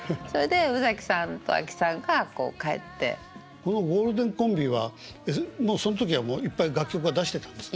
このゴールデンコンビはもうその時はいっぱい楽曲は出してたんですか？